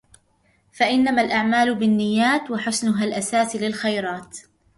فإنما الأعمال بالنيات وحسنها الأساس للخيرات